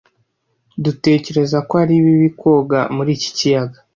Dutekereza ko ari bibi koga muri iki kiyaga.